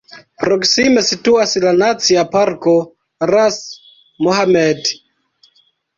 Proksime situas la nacia parko "Ras Mohammed".